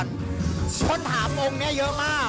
คนถามองค์นี้เยอะมาก